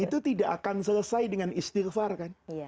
itu tidak akan selesai dengan istighfar kan